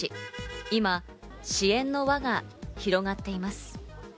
今、支援の輪が広がっています。